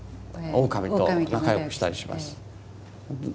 オオカミと仲良くしたりします。